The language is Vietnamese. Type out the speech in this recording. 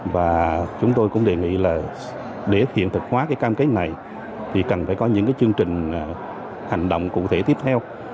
và chúng tôi cũng đề nghị là để hiện thực hóa cái cam kết này thì cần phải có những chương trình hành động cụ thể tiếp theo